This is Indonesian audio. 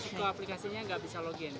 masuk ke aplikasinya nggak bisa login